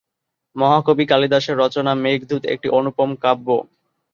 মহাকবি কালিদাসের রচনা মেঘদূত একটি অনুপম কাব্য।